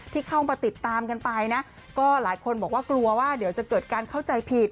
ที่เข้ามาติดตามกันไปนะก็หลายคนบอกว่ากลัวว่าเดี๋ยวจะเกิดการเข้าใจผิด